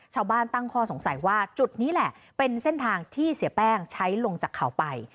ตั้งข้อสงสัยว่าจุดนี้แหละเป็นเส้นทางที่เสียแป้งใช้ลงจากเขาไป